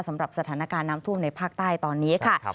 สำหรับสถานการณ์น้ำท่วมในภาคใต้ตอนนี้ค่ะ